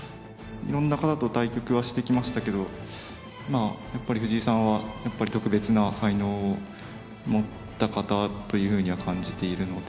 いろんな方と対局はしてきましたけど、やっぱり藤井さんは、やっぱり特別な才能を持った方というふうには感じているので。